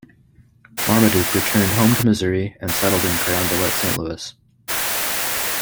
Marmaduke returned home to Missouri and settled in Carondelet, Saint Louis.